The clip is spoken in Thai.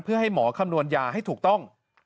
เพื่อให้หมอคำนวณยาให้ถูกต้อง